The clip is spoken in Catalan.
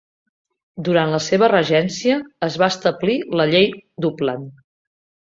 Durant la seva regència, es va establir la llei d'Uppland.